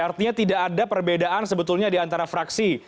artinya tidak ada perbedaan sebetulnya di antara fraksi